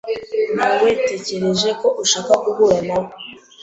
Nawetekereje ko ushaka guhura nawe .